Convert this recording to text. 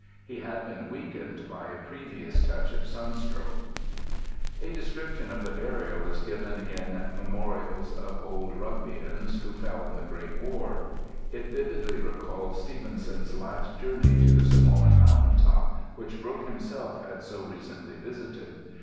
He had been weakened by a previous touch of sunstroke. A description of the burial is given in "Memorials of Old Rugbeians Who Fell in the Great War." It vividly recalls Stevenson's last journey to the Samoan mountain top which Brooke himself had so recently visited.